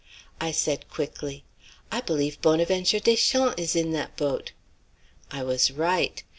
I said quickly: "I believe Bonaventure Deschamps is in that boat!" I was right.